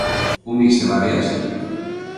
Un mix de varias?